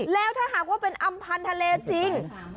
แล้วถ้าหากว่าเป็นอำพันธ์ทะเลจริง